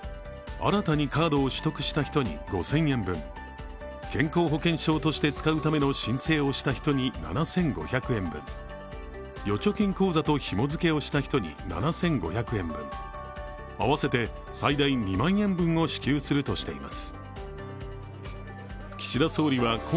新たにカードを取得した人に５０００円分健康保険証として使うための申請をした人に７５００円分預貯金口座とひも付けをした人に７５００円分、合わせて最大２万円分を支給するとしています。